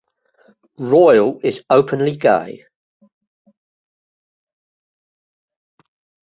Royal is openly gay.